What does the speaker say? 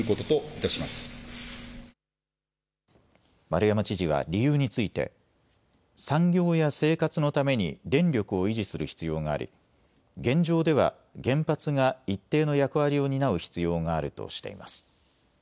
丸山知事は理由について産業や生活のために電力を維持する必要があり現状では原発が一定の役割を担う必要があるとしています。